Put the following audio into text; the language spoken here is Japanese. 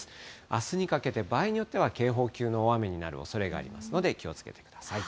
あすにかけて、場合によっては警報級の大雨になるおそれがありますので、気をつけてください。